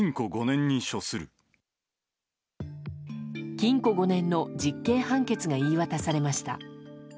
禁錮５年の実刑判決が言い渡されました。